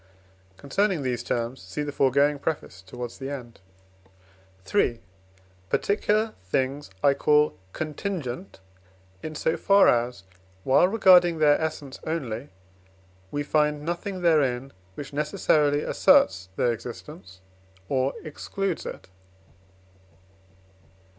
(Concerning these terms see the foregoing preface towards the end.) III. Particular things I call contingent in so far as, while regarding their essence only, we find nothing therein, which necessarily asserts their existence or excludes it.